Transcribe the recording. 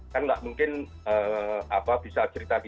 kan nggak mungkin bisa cerita detail kalau